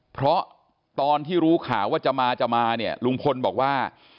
เพราะตอนที่รู้ข่าวว่าจะมาจะมาเนี่ยลุงพลบอกว่า